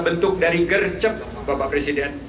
bentuk dari gercep bapak presiden